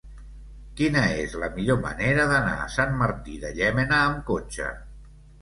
Quina és la millor manera d'anar a Sant Martí de Llémena amb cotxe?